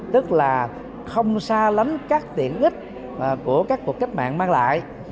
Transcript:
tức là không xa lắm các tiện ích của các cuộc cách mạng mang lại